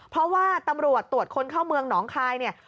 เพราะว่าตำรวจตรวจคนเข้าเมืองหนองคายเนี่ย